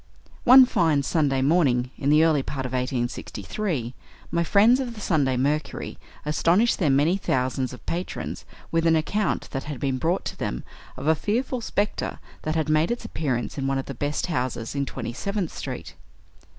One fine Sunday morning, in the early part of 1863, my friends of the "Sunday Mercury" astonished their many thousands of patrons with an account that had been brought to them of a fearful spectre that had made its appearance in one of the best houses in Twenty seventh Street.